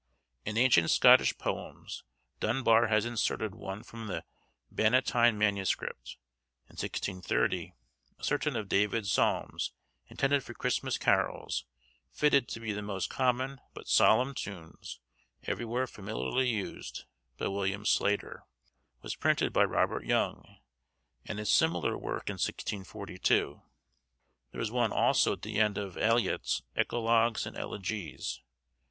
In 'Ancient Scottish Poems,' Dunbar has inserted one from the Bannatyne MS. In 1630, 'Certaine of David's Psalmes, intended for Christmas carolls, fitted to the most common but solempne tunes, everywhere familiarly used, by William Slatyr,' was printed by Robert Young, and a similar work in 1642. There is one also at the end of Aylett's 'Eclogues and Elegies.